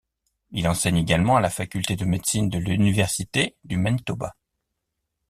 Il enseigne également à la faculté de médecine de l'université du Manitoba.